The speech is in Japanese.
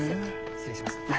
失礼します。